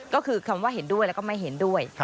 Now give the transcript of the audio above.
ก็คือคำว่าเห็นด้วยแล้วก็ไม่เห็นด้วย